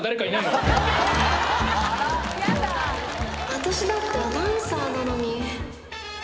私だってアナウンサーなのに